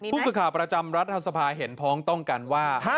ผู้สื่อข่าวประจำรัฐสภาเห็นพ้องต้องกันว่า